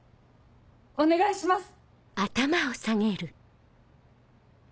お願いします！